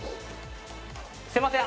すいません